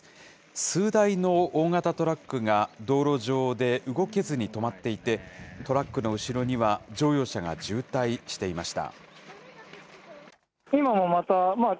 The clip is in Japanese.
数台の大型トラックが道路上で動けずに止まっていて、トラックの後ろには、乗用車が渋滞していました。